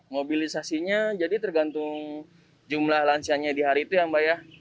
mobilisasinya jadi tergantung jumlah lansianya di hari itu ya mbak ya